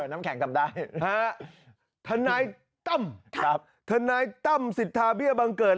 น้ำแข็งจำได้ธนายต้ำครับธนายต้ำสิทธาเบี้ยบังเกิด